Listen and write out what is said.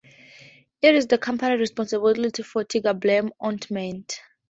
It is the company responsible for Tiger Balm ointment.